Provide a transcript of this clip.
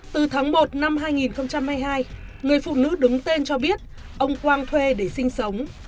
từ tháng một năm hai nghìn hai mươi hai người phụ nữ đứng tên cho biết ông quang thuê để sinh sống